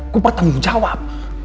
gue bertanggung jawab